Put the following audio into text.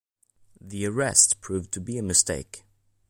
The arrest proved to be a mistake.